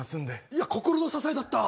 いや心の支えだった！